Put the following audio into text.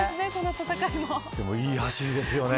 でも、いい走りですよね。